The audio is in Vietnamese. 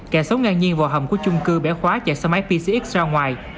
kẻ xấu ngang nhiên vào hầm của chung cư bẻ khóa chạy xe máy pcx ra ngoài